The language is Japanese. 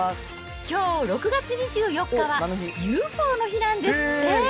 きょう６月２４日はＵＦＯの日なんですって。